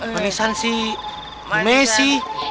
manisan si bu messi